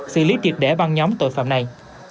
xử lý triệt để ban nhóm tội phạm này